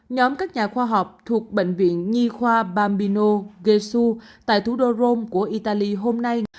nhóm các nhà khoa học thuộc bệnh viện nhi khoa bambino ghe su tại thủ đô rome của italy hôm nay